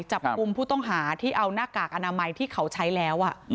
จับกลุ่มผู้ต้องหาที่เอาหน้ากากอนามัยที่เขาใช้แล้ว